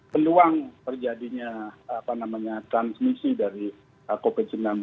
peluang perjadinya transmisi dari covid sembilan belas ini tentu lebih tinggi